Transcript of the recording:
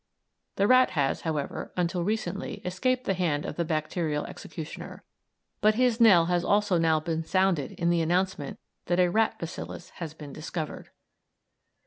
The rat has, however, until recently escaped the hand of the bacterial executioner, but his knell has also now been sounded in the announcement that a rat bacillus has been discovered.